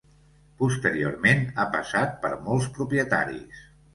Posteriorment, ha passat per molts propietaris.